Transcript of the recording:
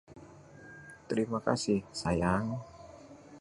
Terima kasih, sayang.